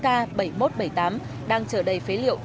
sáu mươi một k bảy nghìn một trăm bảy mươi tám đang chở đầy phế liệu